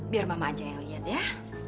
biar mama aja yang lihat ya